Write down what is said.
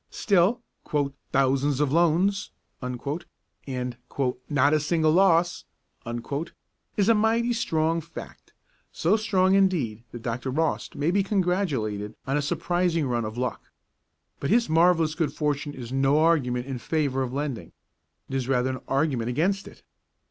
Still 'thousands of loans' and 'not a single loss' is a mighty strong fact, so strong indeed that Dr. Rost may be congratulated on a surprising run of luck. But his marvellous good fortune is no argument in favour of lending; it is rather an argument against it.